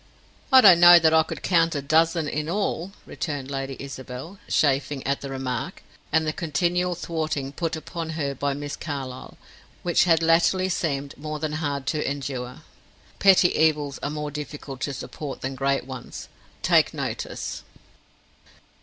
"I don't know that I could count a dozen in all," returned Lady Isabel, chafing at the remark, and the continual thwarting put upon her by Miss Carlyle, which had latterly seemed more than hard to endure. Petty evils are more difficult to support than great ones, take notice.